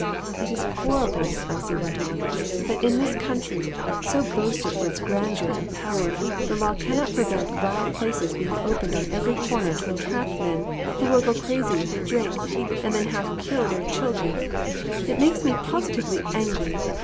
"It is horrible," Elsie went on, "that in this country, so boasted of for its grandeur and power, the law cannot prevent vile places being opened on every corner to entrap men who will go crazy with drink, and then half kill their little children. It makes me positively angry.